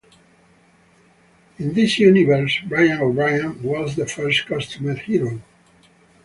In this universe, Brian O'Brien was the first costumed hero.